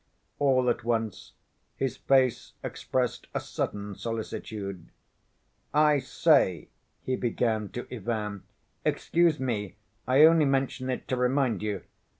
All at once his face expressed a sudden solicitude. "I say," he began to Ivan, "excuse me, I only mention it to remind you.